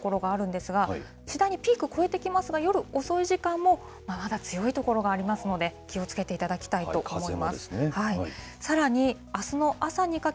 風も強まっている所があるんですが、次第にピーク超えてきますが、夜遅い時間も、まだ強い所がありますので、気をつけていただきたいと思います。